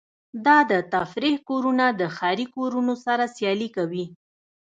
دا د تفریح کورونه د ښاري کورونو سره سیالي کوي